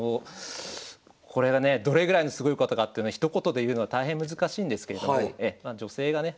これがねどれぐらいのすごいことかっていうのはひと言で言うのは大変難しいんですけれども女性がね